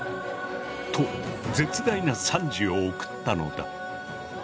と絶大な賛辞を贈ったのだ。